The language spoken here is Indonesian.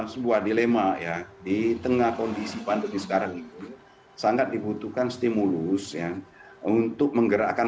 sebuah dilema ya di tengah kondisi pandemi sekarang itu sangat dibutuhkan stimulus ya untuk menggerakkan